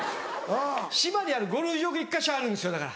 島にゴルフ場が１か所あるんですよだから。